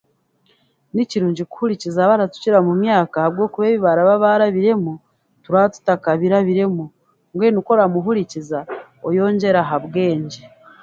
Ni kirungi kuhurikiza abaratukira mu myaka ahabwokuba ebi baraba baarabiremu turaba tutakabirabiremu mbwenu ku oramuhurikiza oyongyera ha bwengye.